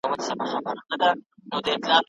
د اوږدمهاله ناروغیو درلودل اغېز لري.